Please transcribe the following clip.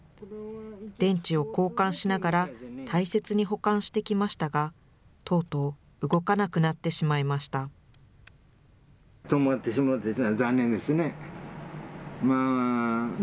電池を交換しながら、大切に保管してきましたが、とうとう動かなくなってしまいました。